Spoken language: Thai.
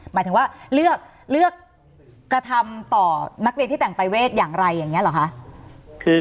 หมายถึงว่าเลือกกระทำต่อนักเรียนที่แต่งปรายเวทอย่างไรอย่างนี้หรอคะ